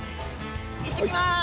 いってきます！